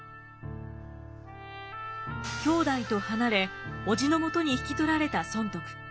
兄弟と離れ伯父のもとに引き取られた尊徳。